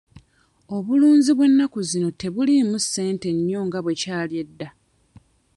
Obulunzi bw'ennaku zino tebuliimu ssente nnyo nga bwe kyali edda.